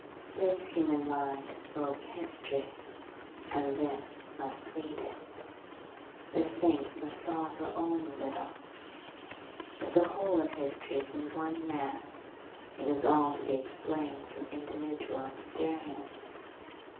This human mind wrote history, and this must read it. The Sphinx must solve her own riddle. If the whole of history is in one man, it is all to be explained from individual experience.